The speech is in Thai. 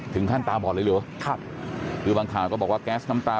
ตาบอดเลยเหรอครับคือบางข่าวก็บอกว่าแก๊สน้ำตา